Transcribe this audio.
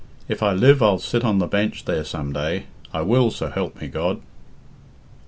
If I live I'll sit on the bench there some day I will, so help me God!"